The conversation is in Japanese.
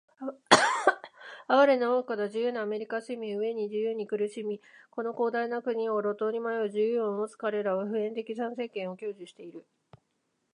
哀れな、愚かな、自由なアメリカ市民！飢えに「自由」に苦しみ、この広大な国を路頭に迷う「自由」を持つかれらは、普遍的参政権を享受している。